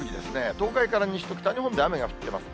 東海から西と北日本で雨が降っています。